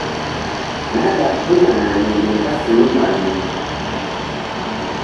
Nadafuna nandighi nikakuluma lumi.